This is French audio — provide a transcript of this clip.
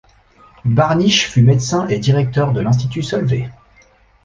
Barnich fut médecin et directeur de l'Institut Solvay.